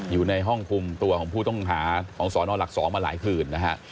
อยู่ในห้องคุมตัวของผู้ต้องหาของสนหลัก๒มาหลายคืนนะฮะ